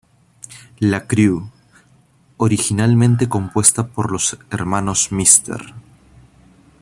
La crew, originalmente compuesta por los hermanos Mr.